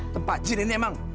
tempat jin ini emang